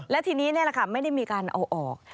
และทีนี้นี่แหละค่ะไม่ได้มีการเอาออก